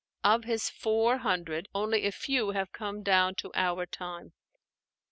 Of his four hundred only a few have come down to our time.